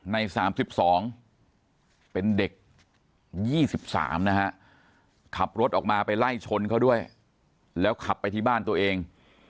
ใน๓๒เป็นเด็ก๒๓นะฮะขับรถออกมาไปไล่ชนเขาด้วยแล้วขับไปที่บ้านตัวเอง